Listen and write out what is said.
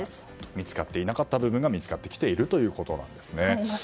見つかっていなかった部分が見つかってきているんですね。